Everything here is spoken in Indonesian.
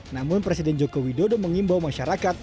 namun presiden joko widodo mengimbau masyarakat